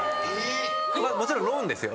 もちろんローンですよ